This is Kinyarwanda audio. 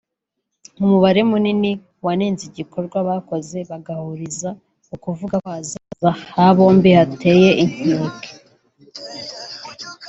umubare munini wanenze igikorwa bakoze bagahuriza ku kuvuga ko ‘ahazaza ha bombi hateye inkeke’